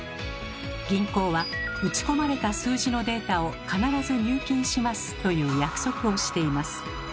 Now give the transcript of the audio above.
銀行は「打ち込まれた数字のデータを必ず入金します」という約束をしています。